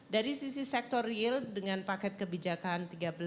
dari sisi sektor real dengan paket kebijakan tiga belas